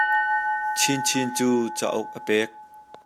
Chinchin cu cauk a pek.